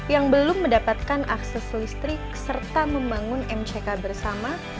yang belum mendapatkan akses listrik serta membangun mck bersama